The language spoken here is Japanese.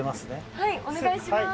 はいお願いします。